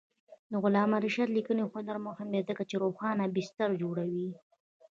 د علامه رشاد لیکنی هنر مهم دی ځکه چې روښانه بستر جوړوي.